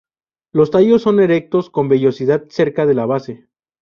Los tallos son erectos con vellosidad cerca de la base.